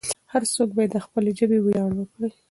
هر څوک باید د خپلې ژبې ویاړ وکړي.